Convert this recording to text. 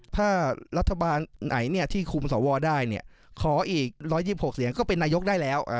ถ้ารัฐบาลไหนที่คุมสวได้ขออีก๑๒๖เสียงก็เป็นนายกได้แล้ว